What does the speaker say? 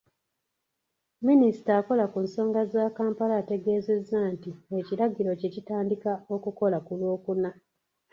Minisita akola ku nsonga za Kampala ategeezezza nti ekiragiro kye kitandika okukola ku Lwokuna.